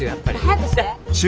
早くして。